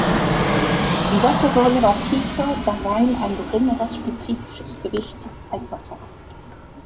Die Wassersäule war tiefer, da Wein ein geringeres spezifisches Gewicht als Wasser hat.